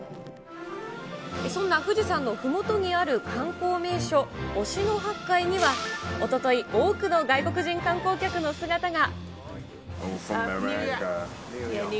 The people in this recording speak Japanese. そんな富士山のふもとにある観光名所、忍野八海には、おととい、多くの外国人観光客の姿が。